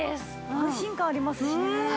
安心感ありますしね。